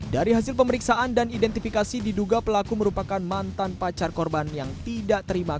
dari hasil pemeriksaan dan identifikasi diduga pelaku merupakan mantan pacar korban yang tidak terima